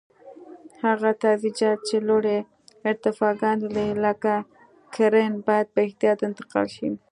هغه تجهیزات چې لوړې ارتفاګانې لري لکه کرېن باید په احتیاط انتقال شي.